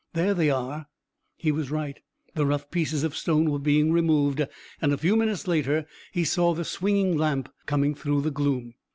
There they are." He was right, the rough pieces of stone were being removed, and a few minutes later he saw the swinging lamp coming through the gloom.